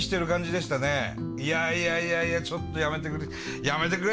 いやいやいやいやちょっとやめてくれやめてくれ！